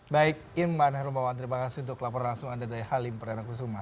baik ini memandangnya rombongan terima kasih untuk laporan langsung anda dari halim pranagusuma